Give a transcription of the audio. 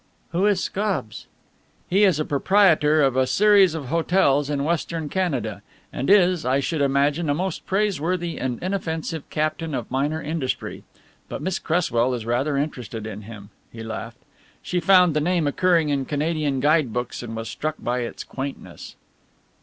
"Who is Scobbs?" "He is a proprietor of a series of hotels in Western Canada, and is, I should imagine, a most praiseworthy and inoffensive captain of minor industry, but Miss Cresswell is rather interested in him," he laughed. "She found the name occurring in Canadian guide books and was struck by its quaintness."